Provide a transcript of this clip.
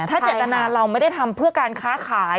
ถ้าเจตนาเราไม่ได้ทำเพื่อการค้าขาย